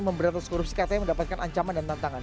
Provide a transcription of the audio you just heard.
memberantas korupsi katanya mendapatkan ancaman dan tantangan